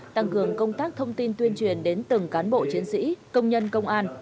tăng cường công tác thông tin tuyên truyền đến từng cán bộ chiến sĩ công nhân công an